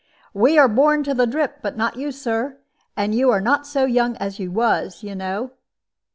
"We are born to the drip, but not you, Sir; and you are not so young as you was, you know."